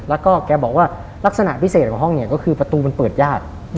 แล้วก็แกบอกว่าลักษณะพิเศษของห้องเนี่ยก็คือประตูมันเปิดยาก